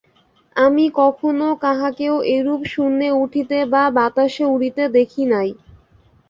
আমি কখনও কাহাকেও এইরূপ শূন্যে উঠিতে বা বাতাসে উড়িতে দেখি নাই।